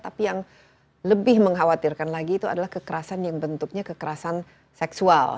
tapi yang lebih mengkhawatirkan lagi itu adalah kekerasan yang bentuknya kekerasan seksual